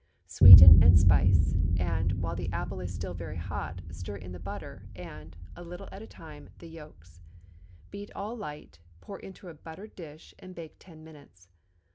Sweeten and spice, and, while the apple is still very hot, stir in the butter, and, a little at a time, the yolks. Beat all light, pour into a buttered dish, and bake ten minutes.